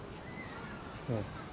うん。